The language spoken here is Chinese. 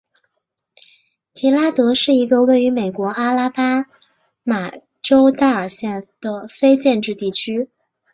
迪拉德是一个位于美国阿拉巴马州戴尔县的非建制地区。